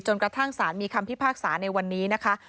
กระทั่งสารมีคำพิพากษาในวันนี้นะคะ